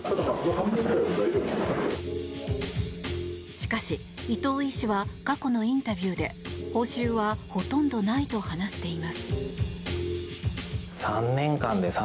しかし、伊藤医師は過去のインタビューで報酬はほとんどないと話しています。